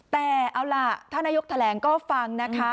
แต่เอาล่ะท่านนายกแถลงก็ฟังนะคะ